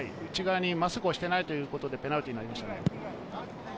真っすぐ押していないということでペナルティーになりました。